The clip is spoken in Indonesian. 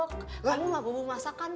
kamu mah bubur masakan